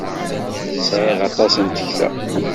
Sɛiɣ aṭas n tekta!